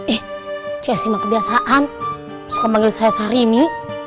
eh ceci mah kebiasaan suka panggil saya sahrini